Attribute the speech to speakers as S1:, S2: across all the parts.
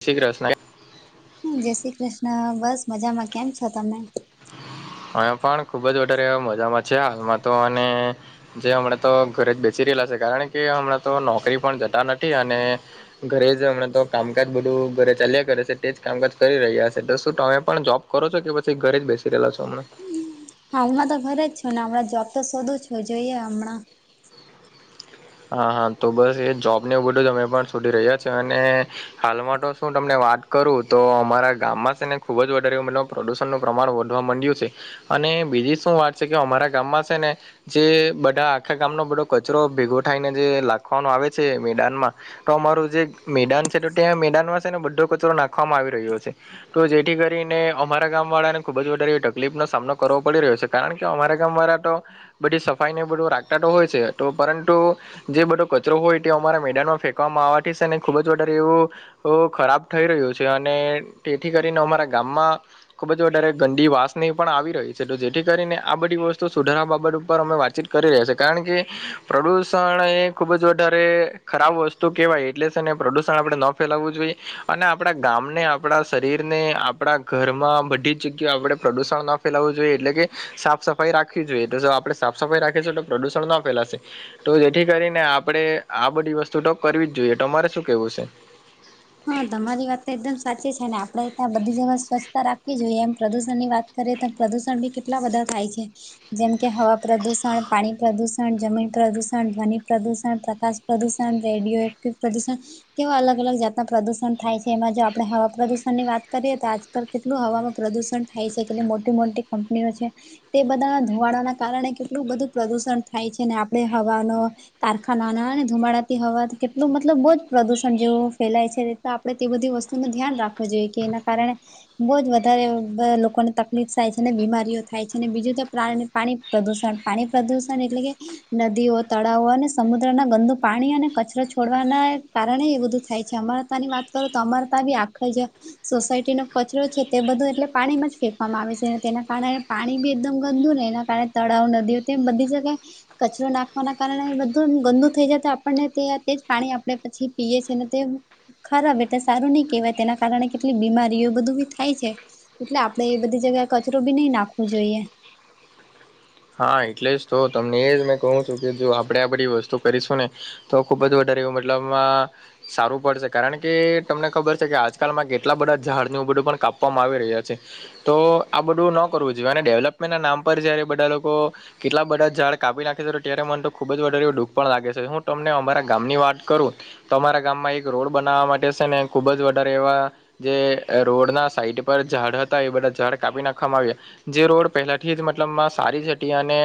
S1: જય શ્રી ક્રિષ્ના.
S2: જય શ્રી કૃષ્ણ બસ મજામાં કેમ છો તમે?
S1: મેં પણ ખુબ જ વધારે મજામાં છે હાલમાં તો અને જે હમણાં તો ઘરે જ બેસી રહેલા છે કારણ કે હમણાં તો નોકરી પણ જતા નથી અને ઘરે જ હમણાં તો કામકાજ બધું ઘરે ચાલ્યા કરે છે તે જ કામકાજ કરી રહ્યા છે તો શું તમે પણ જોબ કરો છો કે પછી ઘરે જ બેસી રહેલા છો હમણાં.
S2: હાલમાં તો ઘરે જ છું ને હમણાં જોબ તો શોધું છું જોઈએ હમણાં.
S1: હા-હા તો બસ એ જોબને બધું જ અમે પણ સોધી રહ્યા છે અને હાલમાં તો શું તમને વાત કરું તો અમારા ગામમાં છે ને ખુબ જ વધારે મતલબ પ્રદૂષણનું પ્રમાણ વધવા માંડ્યું છે અને બીજી શું વાત છે કે અમારા ગામમાં છે ને જે બધા આખા ગામનો બધો કચરો ભેગો થાયને જે લખવાનો આવે છે મેદાનમાં. તો અમારું જે મેદાન છે તો ત્યાં મેદાનમાં છે ને બધો કચરો નાખવામાં આવી રહ્યો છે. તો જેથી કરીને અમારા ગામવાળા ને ખુબ જ વધારે તકલીફ નો સામનો કરવો પડી રહ્યો છે. કારણ કે અમારા ગામવાળા તો બધી સફાઈને બધું રાખતા તો હોય છે તો પરંતુ જે બધો કચરો હોય તે અમારા મેદાનમાં ફેંવામાં આવવાથી છે ને ખુબ જ વધારે એવું ખૂબ ખરાબ થઈ રહ્યો છે અને તેથી કરીને અમારા ગામમાં ખુબ જ વધારે ગંદી વાસની પણ આવી રહી છે તો જેથી કરીને આ બધી વસ્તુ સુધારા બાબત ઉપર અમે વાતચીત કરી રહ્યા છે કારણ કે પ્રદૂસ પ્રદૂષણ એ ખુબ જ વધારે ખરાબ વસ્તુ કેહેવાય એટલે છે ને પ્રદુષણ આપણે નો ફેલાવું જોઈએ અને આપડા ગામને આપડા શરીરને આપડા ઘરમાં બધી જ જગ્યા આપડે પ્રદુષણ ના ફેલાવું જોઈએ એટલે કે સાફ સફાઈ રાખવી જોઈએ તો જો આપણેે સાફ સફાઈ રાખીશું તો પ્રદુષણ ના ફેલાશે. તો જેથી કરીને આપણેે આ બધી વસ્તુ તો કરવી જ જોઈએ તો અરે શું કેવું છે.
S2: હા તમારી વાત તો એકદમ સાચી છે આપડે ત્યાં બધી જગ્યા સ્વચ્છતા રાખવી જોઈએ એમ પ્રદૂષણ ની વાત કરીએ તો પ્રદૂષણ બી કેટલા બધા થાય છે. જેમ કે હવા પ્રદુષણ, પાણી પ્રદુષણ, જમીન પ્રદુષણ ધ્વનિ પ્રદુષણ, પ્રકાશ પ્રદૂષણ રેડિયો એક પ્રદુષણ કેવા અલગ અલગ જાત. ના પ્રદુષણ થાય છે એમાં જો આપણે હવા પ્રદુષણ ની વાત કરીએ તો આજકાલ કેટલું હવામાં પ્રદુષણ થાય છે કેટલી મોટી મોટી કંપનીઓ છે. તે બધા ધુવાડા ના કારણે કેટલું બધું પ્રદુષણ થાય છે ને આપડે હવાનો કારખાનાના અને ધુમાડાતી હવા કેટલું મતલબ બહુ જ પ્રદુષણ જેવું. ફેલાય છે એ તો આપણે તે બધી વસ્તુ નનું ધ્યાન રાખવું જોઈએ કે એના કારણે બહુ જ વધારે બ લોકોને તકલીફ થાય છે અનેને બીમારીઓ થાય છે ને બીજું તો પ્રાણીને પાણી પ્રદુષણ પાણી પ્રદુષણ એટલે કે. નદીઓ તળાવો અને સમુદ્ર ના ગંદુ પાણી અને કચરો છોડવાના કારણે એ બધું થાય. છે અમરતા ની વાત કરું તો અમરતા બી આખ જે. સોસાયટી નો કચરો છે તે બધો એટલે પાણીમાં જ ફેંકવામાં આવે છે તેના કારણે પાણી બી એકદમ ગંદુ ને એના કારણે તળાવ નદીઓ તેમ બઘી જગ્યાએ. કચરો નાખવાના કારણે બધું ગંદુ થઈ જાય તો આપણને તે તે જ પાણી આપણે પછી પીએ છે અને તે. ખરાબ એટલે સારું નહી કેહેવાય તેના કારણે કેટલી બીમારીઓ બધું બી થાય છે. એટલે આપડે એ બધી જગ્યાએ કચરો બી નહી નાખવો જોઈએ.
S1: હા એટલે જ તો તમને એ જ મેં કહું છું કે જો આપણે આ બધી વસ્તુ કરીશું ને. તો ખુબ જ વધારે એવું મતલબ મા. સારું પડશે કારણ કે તમને ખબર છે કે આજકાલમાં કેટલા બધા ઝાડની બધું પણ કાપવામાં આવી રહ્યા છે. તો આ બધું ન કરવું જોઈએ અને ડેવલપમેન્ટ ના નામ પર જયારે બધા લોકો કેટલા બધાં ઝાડાપી કાપી નાખે છે તો ત્યારે મને તો ખૂબ જ વધારે દુઃખ પણ લાગે છે હું તમને અમારા ગામની વાત કરું તો અમારા ગામમાં એક રોડ બનાવવા માટે છે ને ખુબ જ વધારે એવા જે રોડના સાઈડ પર ઝાડ હતા એ બધા ઝડ કાપી નાખવામાં આવ્યા. જે રોડ પહેલાથી જ મતલબ સારી જ હતી અને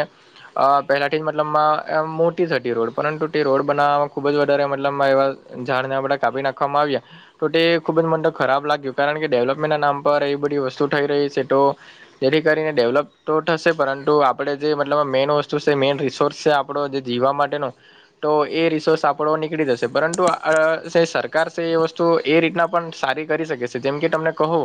S1: અ પહેલાંથી જ મતલબમાંમ એમ મોટી થ હતી રોડ પરંતુ તે રોડ બનાવવામાં ખૂબ જ વધારે મતલબમાં એવા. એમ ઝાડ ને આપડે કાપી નાખવામાં આવ્યા. તો તે ખૂબ જ મને ખરાબ લાગ્યું કારણ કે ડેવલપમેન્ટના નામ પર એ બધી વસ્તુ થઈ રહી છે તો જેથી કરીને ડેવલપ તો થશે પરંતુ આપ આપણે જે મતલબ મેઈન વસ્તુ છે મેન રિસોર્સ છે આપણો જે જીવવા માટેનો તો એ રિસોર્સ આપડો નીકળી જશે પરંતુ અ સરકાર છે એ વસ્તુ એ રીતના પણ સારી કરી શકે છે જેમ કે તમને કહો.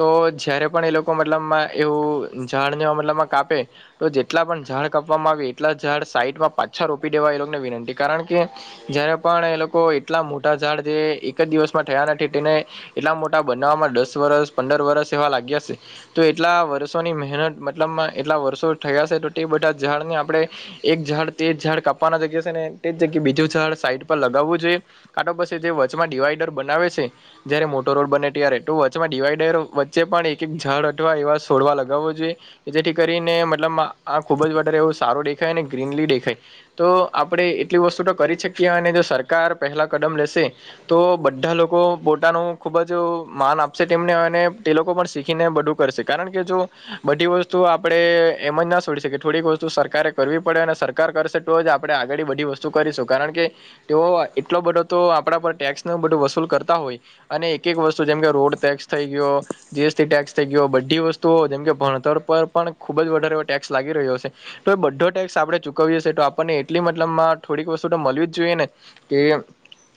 S1: તો જયારે પણ એ લોકો મતલબમાં એવું ઝાડ ને મતલબમાં કાપે. તો જેટલા પણ ઝાડ કાપવામાં આવે એટલા ઝાડ સાઈડમાં પાછા રોપી દેવા એ લોકોને વિનંતી કારણ કે જય્યારે પણ એ લોકો એટલા મોટા ઝાડ જે એક જ દિવસમાં થયા નથી તેને એટલા મોટા બનામાં દસ વરસ પંદર વરસ એવા લાગ્યા છે. તો એટલા વર્ષોની મહેનત મતલબમા એટલા વર્ષો થયા છે તો તે બધા ઝાડને આપણે- એક ઝાડ તે ઝાડ કાપવાની જગ્યા છે ને તે જગ્યા બીજું ઝાડ સાઈડ પર લગાવવું જોઈએ. કા તો પછી તે વચમાં ડિવાઈડર બનાવે છે. જયારે મોટો રોડ બને ત્યારે એટ વચમાં ડિવાઈડર વચ્ચે પણ એક એક ઝાડ અથવા એવા છોડવા લગાવવા જોઈએ. જેથી કરીને મતલબ આ ખુબ જ વધારે એવું સારું દેખાય ને ગ્રીનરી દેખાય. તો આપણે એટલી વસ્તુ તો કરી શકીએ અને જો સરકાર પહેલાં કદમ લેશે- તો બધા લોકો પોતાનું ખુબ જ માન આપશે તેમને અને તે લોકો પણ શીખીને બધું કરશે. કારણ કે જો બધી વસ્તુ આપણેે- એમ જ ના છોડી શકે થોડીક વસ્તુ સરકારે કરવી પડે અને સરકાર કરશે તો જ આપણે આગળ બધી વસ્તુ કરીશું કારણ કે- તેઓ એટલો બધો તો આપણા પર ટેક્સ ન બધો વસૂલ કરતા હોય. અને એક એક વસ્તુ જેમ કે રોડ ટેક્સ થઈ ગયો. જીએસી ટેક્સ થઈ ગયો હોય. બધી વસ્તુઓ જેમ કે ભણતર પર પણ ખુબ જ વધારે એવો ટેક્સ લાગી રહ્યો છે. તો એ બધો ટેક્સ આપણે ચૂકવીએ છીએ તો આપણને એટલી મતલબમાં થોડીક વસ્તુ તો મળવી જ જોઈએ ને- કેમ એમ?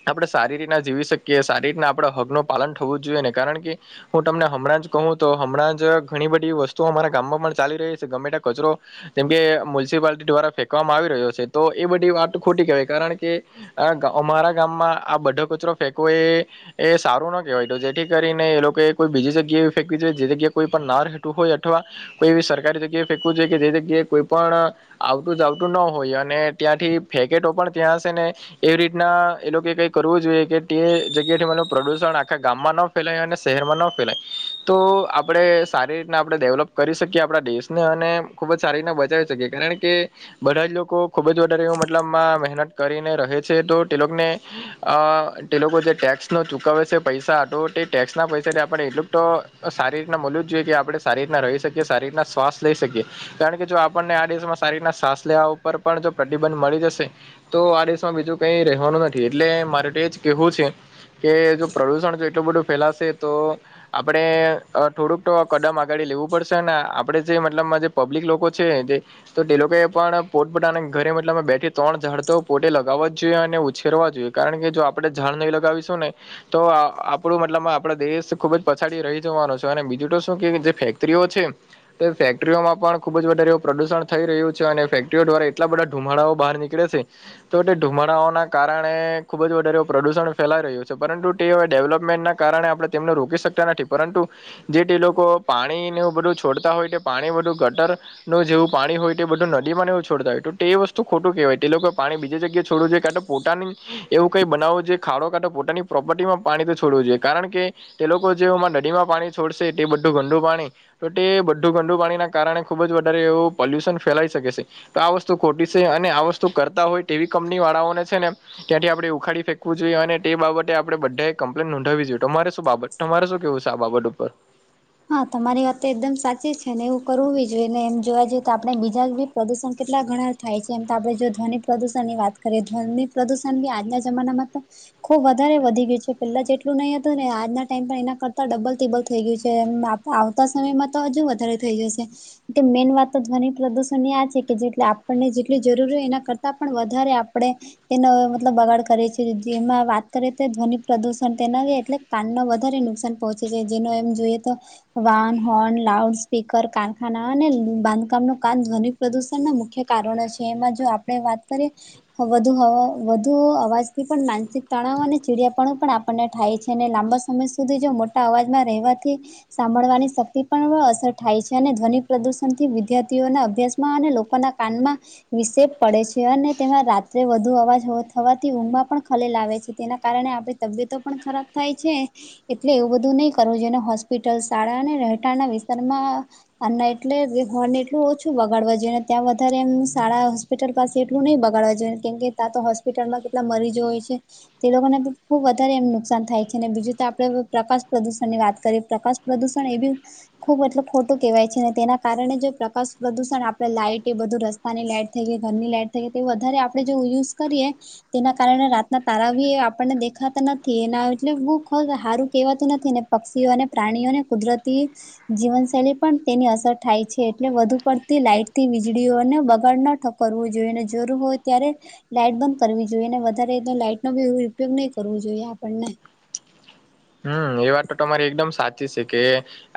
S1: આપણે સારી રીતના જીવી શકીએ સારી રીતના આપણા હકનું પાલન થવું જ જોઈએ ને કારણ કે- હું તમને હમણાં જ કહું તો હમણાં જ ઘણી બધી વસ્તુઓ અમારા ગામમાં પણ ચાલી રહી છે. ગમે ત્યાં કચરો જેમ કે મ્યુનિસિપાલટી દ્વારા ફેંકવામાં આવી રહ્યો છે. તો એ બધી વાત ખોટી કહેવાય કારણ કે આ અમારા ગામમાં આ બધો કચરો ફેંકો એ એ સારું ના કહેવાય તો જેથી કરીને એ લોકો કોઈ બીજી જગ્યાએ ફેંકવી જોઈ જે જગ્યાએ કોઈ પણ ના રહેતું હોય અથવા કોઈ એવી સરકારી જગ્યાએ ફેંકવું જોઈએ કે જે જગ્યાએ કોઈ પણ આવતું જાવતું ન હોય અને ત્યાંથી ફેકે તો પણ ત્યાં છે ને એવી રીતના એ લોકો કઈ કરવું જોઈએ કે તે જગ્યાથી પ્રદુષણ આખા ગામમાં ન ફેલાય અને શહેરમાં ન ફેલાય તો આપણે સારી રીતના આપણે ડેવલપ કરી શકીએ આપણા દેશ ને અને ખૂબ જ સારી રીના બચાવી શકીએ કારણ કે બધા જ લોકો ખુબ જ વધારે એવુ મતલબમાં મહેનત કરીને રહે છે તો તે લોકને અ તે લોકો જે ટેક્સ નો ચુકવે છે. પૈસા તો તે ટેક્સ ના પૈસા આપ એટલું તો સારી રીતના મળવું જ જોઈએ કે આપણે સારી રીતના રહી શકીએ સારી રીતના શ્વાસ લઈ શકીએ કારણ કે જો આપણને આ દેશમાં સારી રીતના શ્વાસ લેવા ઉપર પણ જો પ્રતિબંધ મળી જશે તો આ દેશમાં બીજું કઈ રહેવાનું નથી એટલે મારે તો એજ કેવું છે કે જો પ્રદુષણ જો એટલું બધું ફેલાશે તો આપણેે થોડુંક તો કદમ આગળડી લેવું પડશે ને આપણે જે મતલબમાં જે પબ્લિક લોકો છે જે તો તે લોકો એ પણ પોટપોટા ઘરે મલ બેથી ત્રણ ઝાડ તો પોતે લગાવવા જ જોઈએ અને ઉછેરવા જોઈએ. કારણ કે જો આપણે ઝાડ નહીં લગાવીશું ને તો આપણું મતલબ આપણા દેશ ખુબ જ પછાડી રહી જવાનો છે અને બીજું તો શું કે જે ફેક્ટરીઓ છે. તે ફેક્ટરીઓમાં પણ ખુબ જ વધારે એવું પ્રદુષણ થઈ રહ્યું છે અને ફેક્ટરીઓ દ્વારા એટલા બધા ધુમાડાઓ બહાર નીકળે છે. તો તે ધુમડાઓના કારણે ખૂબ જ વધારે પ્રદુષણ ફેલાઈ રહ્યું છે. પરંતુ તે હવે ડેવલપમેન્ટના કારણે આપણે તેમને રોકી શકતા નથી. પરંતુ જે તે લોકો પાણીને બધું છોડતા હોય તો પાણી બધું ગટર નું જેવું પાણી હોય તે બધું નદીમાં ને એવું છોડતા હોય તો તે એ વસ્તુ ખોટું કેવાય તે લોકોએ પાણી બીજી જગ્યા છોડવું જોઈએ કાતો પોતાની એવું કંઈ બનાવુ જોઈએ ખાડો કાટો પોતાની પ્રોપર્ટીમાં પાણી તો છોડવું જોઈએ કારણ કે તે લોકો જેમાં નદીમાં પાણી છોડશે તે બધું ગંદુ પાણી તો તે બધું ગંદુ પાણીના કારણે ખૂબ જ વધારે એવું પોલ્યુશન ફેલાઈ શકે છે. તો આ વસ્તુ ખોટી છે અને આ વસ્તુ કરતા હોય તેવી કંપની વાળાઓને છે ને ત્યાંથી આપણેે ઉખાડી ફેંકવું જોએ અને તે બાબતે આપડે બધાએ કમ્પ્લેન નોંધાવવી જોઈએ તો તમારે શું બાબત તમારે શું કેવું છે આ બાબત ઉપર?
S2: હા તમારી વાત તો એકદમ સાચી છે ને એવું કરવું ભી જોઈએ ને એમ જોવા જઈએ તો આપણે બીજા ભી પ્રદુષણ કેટલા ઘણા થાય છે એમ તો આપણે જો ધ્વનિ પ્રદુષણ ની વાત કરીએ ધ્વની પ્રદુષણ આજના જમાનામાં તો ખુબ વધારે વધી ગયું છે પેલા જેટલું નહી હતું ને આજના ટાઈમ પર એના કરતા ડબલ ટીબલ થઈ ગયું છે. કે આવતા સમયમાં તો હજુ વધારે થઈ જશે. મેઇન વાત તો ધ્વનિ પ્રદૂષણ ની આ છે કે જે આપણને જેટલી જરૂરી હોય એના કરતાં પણ વધારે આપણે તેનો મતલબ બગાડ કરે છે, જેમાં વાત કરીએ તો ધ્વનિ પ્રદુષણ તેનાથી એટલે કાન નો વધારે નુકસાન પહોંચે છે, જેનો એમ જોઈએ તો વાન હોર્ન લાઉડ સ્પીકર કારખાના અને બાંધકામ નો કાન ધ્વનિ પ્રદૂષણ ના મુખ્ય કારણો છે એમાં જો આપણે વાત કરીએ વધુ વધુ અવાજ થી પણ માનસિક તણાવ અને ચીડિયાપણો પણ આપણને થાય છે ને લાંબા સમય સુધી જો મોટા અવાજમાં રહેવાથી સાંભળવાની શક્તિ પર અસર થાય છે, અને ધ્વનિ પ્રદુષણથી વિદ્યાર્થીઓના અભ્યાસમાં અને લોકોના કાનમાં વિસે પડે છે અને તેમાં રાત્રે વધુ અવાજ થવાથી ઊંઘમાં પણ ખલેલા આવેે છે તેના કારણે આપણે તબિયતો પણ ખરાબ થાય છે, એટલે એવું બધું નહી કરવું જોઈએ ને હોસ્પિટલ શાળા અને રહેઠાણના વિસ્તારમાં અને એટલે હોન એટલું ઓછું વગાડવા જોઈએ ને ત્યાં વધારે એમ શાળા હોસ્પિટલ પાસે એટલું નહી બગાડવા જોઈએ કેમ કે તા તો હોસ્પિટલમાં કેટલા મરીજો હોય છે. તે લોકોને ખુબ વધારે એમ નુકસાન થાય છે, અને બીજું તો આપણેે પ્રકાશ પ્રદુષણ ની વાત કરીએ. પ્રકાશ પ્રદૂષણ એવી ખુબ મતલબ ખોટું કેહેવાય છે, અને તેના કારણે જે પ્રકાશ પ્રદુષણ આપડે લાઈટ એ બધું ર તાની લાઈટ થઈ ગઈ ઘરની લાઈટ થઈ ગઈ તે વધારે આપણેે યુઝ કરીએ. તેના કારણે રાતના તારા બી આપણને દેખાતા નથી એના એટલે બુખો હારું કેહેવાતું નથી ને. પક્ષીઓ અને પ્રાણીઓને કુદરતી જીવનશૈલી પણ તેની અસર થાય છે, એટલે વધુ પડતી લાઈટ થી વીજળીઓને બગાડ નઠક કરવું જોઈને જરૂર હોય ત્યારે લાઈટ બંધ કરવી જોઈએ ને વધારે તો લાઈટ નો બી ઉપયોગ નહી કરવો જોઈએ આપણને
S1: હમ એ વાત તો તમારી એકદમ સાચી છે, કે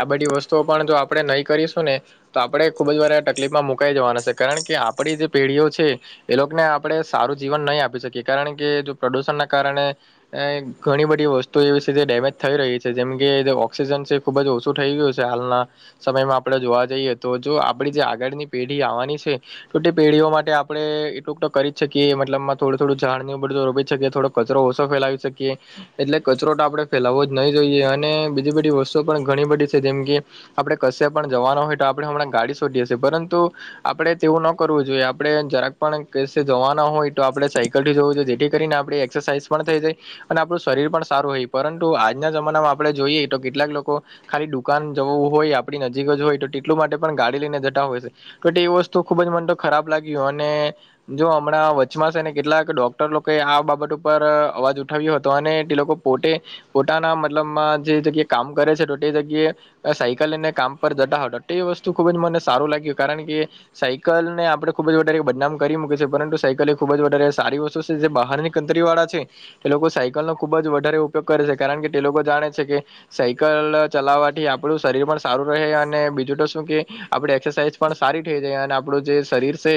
S1: આ બધી વસ્તુઓ પણ જો આપણે નહી કરીશું ને તો આપણે ખુબ જ વારે આ તકલીફમાં મુકાઈ જવાના છે કારણ કે આપણી જે પેઢીઓ છે. એ લોકોને આપણે સારું જીવન નહી આપી શકીએ કારણ કે જો પ્રદૂષણ ના કારણે અ ઘણી બધી વસ્તુ એવી તે ડેમેજ થઈ રહી છે, જેમ કે ઓક્સિજન છે ખુબ જ ઓછું થઈ ગયું છે હાલના સમયમાં આપણે જોવા જઈએ તો જો આપડી જે આગળની પેઢી આવવાની છે. તો પેઢીઓ માટે આપણે એટલુંક તો કરી જ શકીએ મતલબમાં થોડું થોડું ઝાડ ને એ બઘુ રોપી શકીએ થોડોક કચરો ઓછો ફેલાવી શકીએ એટલે કચરો તો આપડે ફેલાવવો જ નહી જોઈએ અને બીજી બધી વસ્તુ પણ ઘણી બધી છે, જેમ કે આપણે કશ પણ જવાનું હોય તો આપણે હમણાં ગાડી શોધીએ છે પરંતુ આપડે તેવું ન કરવું જોઈએ આપડણે જરાક પણ કેશે જવાના હોય તો આપણે સાયકલ થી જવું જોઈએ જેથી કરીને આપણે એક્સરસાઇઝ પણ થઈ જાય અને આપણું શરીર પણ સારું હોય. પરંતુ આજના જમાનામાં આપણે જોઈએ તો કેટલાક લોકો ખાલી દુકાન જવું હોય આપણી નજીક જ હોય તો તેટલું માટે પણ ગાડી લઈને જતા હોય છે. કદી વસ્તુ ખુબ જ મને તો ખરાબ લાગી યો ને. જો હમણાં વચમાં છેને કેટલાક ડોક્ટર લોકો આ બાબત ઉપર અવાજ ઉઠાવ્યો તો અને તે લોકો પોતે પોતાના મતલબમાં જે જગ્યાએ કામ કરે છે, તો તે જગ્યાએ સાયકલ લઈ ને કામ પર જતા હો એ વસ્તુ ખુબ જ મને સારું લાગ્યું કારણ કે સાયકલ ને આપડે ખુબ જ વધારે બદનામ કરી મૂકી છે પરંતુ સાયકલ એ ખુબ જ વધારે સારી વસ. તુ જે બહારની ગનતરી વાળા છે, તે લોકો સાયકલ નો ખુબ જ વધારે ઉપયોગ કરે છે કારણ કે તે લોકો જાણે છે, કે સાયકલ ચલાવવાથી આપડું શરીર પણ સારું રહે અને બીજું તો શું કે આપડે એક્સરસાઇઝ પણ સારી થઈ જાય અને આપણું જે શરીર છે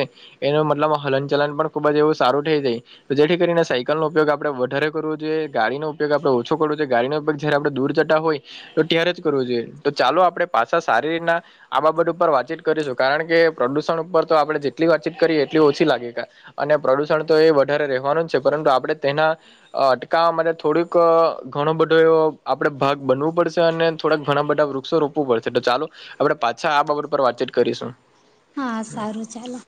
S1: એનું મતલબ હલન ચલન પણ ખૂબ જ એવું સારું થઈ જાય. તો જેથી કરીને સાયકલ નો ઉપયોગ આપડે વધારે કરવો જોઈએ ગાડીનો આપણે ઓછો કરવો જોય ગાડી ના ઉપગ જય્યારે આપણે દૂર જતા હોય. તો ત્યારે જ કરવું જોઈએ તો ચાલો આપડણે પાછા સારી રીના આ બાબત ઉપર વાતચીત કરીશું કારણ કે પ્રદુષણ ઉપર તો આપણે જેટલી વાતચીત કરીએ એટલી ઓછી લાગે અને પ્રદુષણ તો એ વધારે રહેવાનું જ છે પરંતુ આપણે તેના અ અટકાવવા માટે થોડુંક ક ઘણો બધો એવો આપડે ભાગ બનુ પડશે અને થોડાક ઘણા બધા વૃક્ષો રોપવું પડશે તો ચાલો આપડે પાછા આ બાબત પર વાતચીત કરીશું.
S2: હા સારું ચાલો